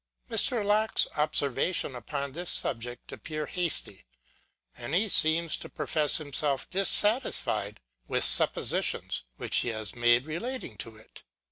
Mr. Locke's observations upon this subject appear hasty : and he seems to profess himself dissatisfied with suppositions, which he has made relating to it.